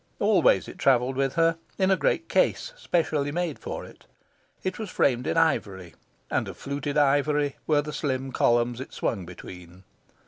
Always it travelled with her, in a great case specially made for it. It was framed in ivory, and of fluted ivory were the slim columns it swung between.